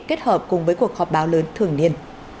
kết hợp cùng với cuộc họp báo lớn thường niên